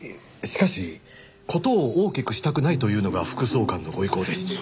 しかし事を大きくしたくないというのが副総監のご意向でして。